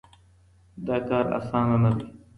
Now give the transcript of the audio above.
دا کار اسانه نه دی.